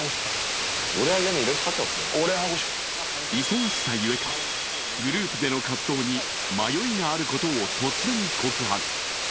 忙しさゆえか、グループでの活動に迷いがあることを突然告白。